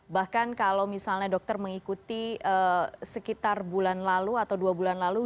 bahkan kalau misalnya dokter mengikuti sekitar bulan lalu atau dua bulan lalu